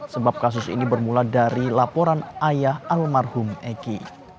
sebab kasus ini bermula dari laporan ayah almarhum eki